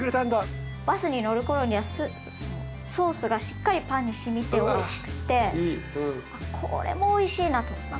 バスに乗る頃にはソースがしっかりパンに染みておいしくてこれもおいしいなと。